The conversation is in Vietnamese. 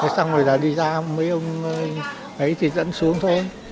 xong rồi là đi ra mấy ông ấy thì dẫn xuống thôi